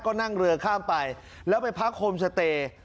ก็นั่งเรือข้ามไปแล้วไปพักโฮมสเตย์